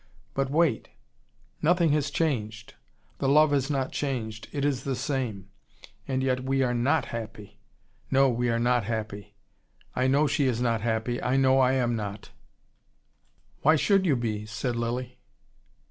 But wait. Nothing has changed the love has not changed: it is the same. And yet we are NOT happy. No, we are not happy. I know she is not happy, I know I am not " "Why should you be?" said Lilly.